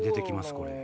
これ。